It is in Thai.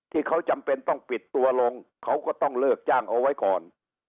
ที่เขาจำเป็นต้องปิดตัวลงเขาก็ต้องเลิกจ้างเอาไว้ก่อน